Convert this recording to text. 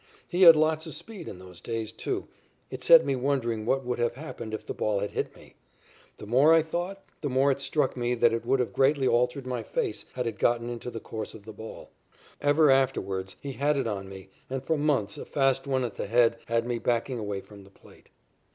He had lots of speed in those days, too. It set me wondering what would have happened if the ball had hit me. The more I thought, the more it struck me that it would have greatly altered my face had it gotten into the course of the ball. Ever afterwards, he had it on me, and, for months, a fast one at the head had me backing away from the plate.